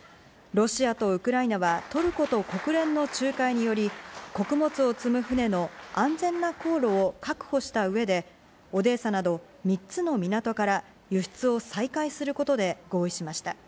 ロシアとウクライナはトルコと国連の仲介により穀物を積む船の安全な航路を確保した上で、オデーサなど３つの港から輸出を再開することで合意しました。